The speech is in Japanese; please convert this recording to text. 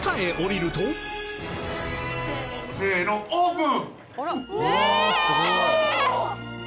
せのオープン！